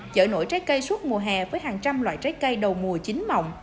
chợ nổi trái cây suốt mùa hè với hàng trăm loại trái cây đầu mùa chín mộng